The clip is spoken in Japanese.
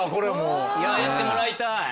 いややってもらいたい。